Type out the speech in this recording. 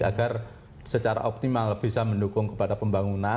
agar secara optimal bisa mendukung kepada pembangunan